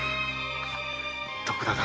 徳田殿。